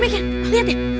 minggir lihat ya